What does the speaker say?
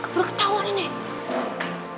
berketawa nih nih